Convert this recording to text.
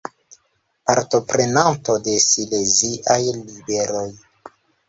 Partoprenanto de Sileziaj Ribeloj.